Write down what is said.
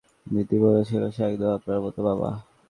দিদি বলছিলো, সে একদম আপনার মতো, বাবা।